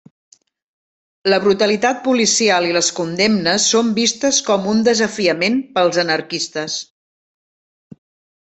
La brutalitat policial i les condemnes són vistes com un desafiament pels anarquistes.